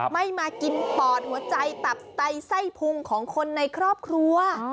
ไม่มากินปอดหัวใจตับสไตไส้พุงของคนในครอบครัว